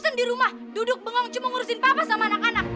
langsung di rumah duduk bengong cuma ngurusin papa sama anak anak